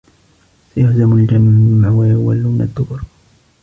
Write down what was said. سيهزم الجمع ويولون الدبر